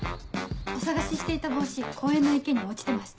お捜ししていた帽子公園の池に落ちてました。